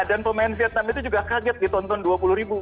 dan pemain vietnam itu juga kaget ditonton dua puluh ribu